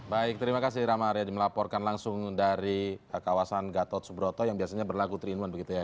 baik terima kasih ramah arya di melaporkan langsung dari kawasan gatot suburoto yang biasanya berlaku terinuan begitu ya hera